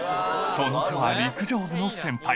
その手は陸上部の先輩。